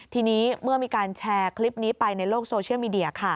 ทีนี้เมื่อมีการแชร์คลิปนี้ไปในโลกโซเชียลมีเดีย